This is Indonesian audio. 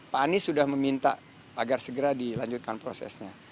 pak anies sudah meminta agar segera dilanjutkan prosesnya